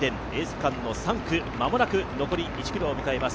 区間の３区、まもなく残り１ｋｍを迎えます。